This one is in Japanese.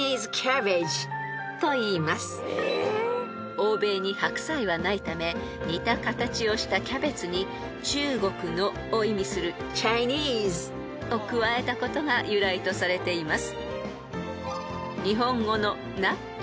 ［欧米に白菜はないため似た形をしたキャベツに「中国の」を意味する「Ｃｈｉｎｅｓｅ」を加えたことが由来とされています］